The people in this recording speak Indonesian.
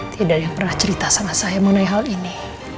tidak ada yang pernah cerita sama saya mengenai hal ini